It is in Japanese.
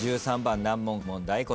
１３番難問問題